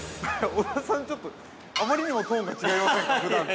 ◆小田さん、ちょっとあまりにもトーンが違いませんか、ふだんと。